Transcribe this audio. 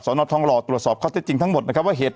สหนอมท้องล่อตรวจสอบเขาจะจริงทั้งหมดนะครับว่าเหตุ